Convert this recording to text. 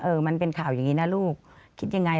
มันเป็นข่าวอย่างนี้นะลูกคิดยังไง